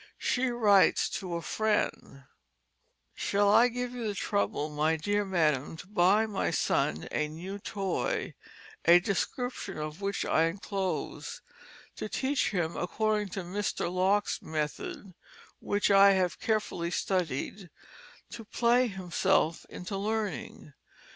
She writes to a friend: "Shall I give you the trouble my dear Madam to buy my son a new toy (a description of which I inclose) to teach him according to Mr. Locke's method (which I have carefully studied) to play himself into learning.